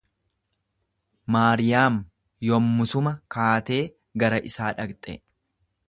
Maariyaam yommusuma kaatee gara isaa dhaqxe.